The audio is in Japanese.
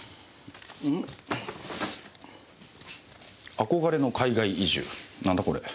『憧れの海外移住』なんだこれ？